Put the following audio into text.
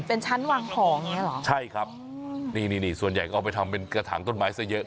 เป็นชั้นวางของอย่างเงี้เหรอใช่ครับนี่นี่ส่วนใหญ่ก็เอาไปทำเป็นกระถางต้นไม้ซะเยอะ